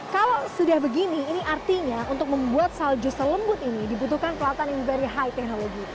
kalau sudah begini ini artinya untuk membuat salju selembut ini dibutuhkan pelatan yang very high technology